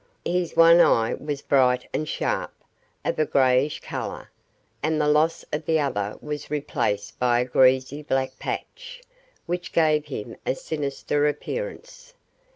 His one eye was bright and sharp, of a greyish colour, and the loss of the other was replaced by a greasy black patch, which gave him a sinister appearance.